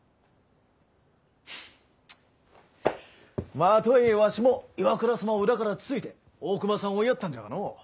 まぁとはいえわしも岩倉様を裏からつついて大隈さんを追いやったんじゃがのう。